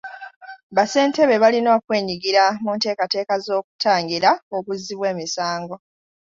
Bassentebe balina okwenyigira mu nteekateeka z'okutangira obuzzi bw'emisango.